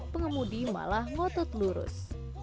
pengemudi malah ngotot lurus